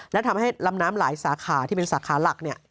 และทำให้ลำน้ำหลายสาขาที่เป็นสาขาหลักเนี่ย